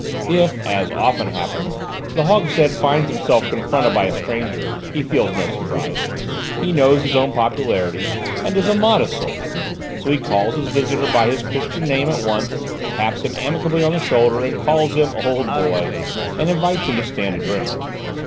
If, as often happens, the Hogshead finds himself confronted by a stranger, he feels no surprise; he knows his own popularity, and is a modest soul, so he calls his visitor by his Christian name at once, taps him amicably on the shoulder, and calls him "old boy," and invites him to stand a drink.